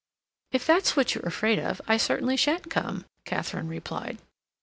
"If that's what you're afraid of I certainly shan't come," Katharine replied.